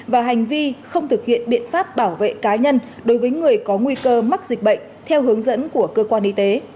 và hành vi không thực hiện biện pháp bảo vệ cá nhân đối với người có nguy cơ mắc dịch bệnh theo hướng dẫn của cơ quan y tế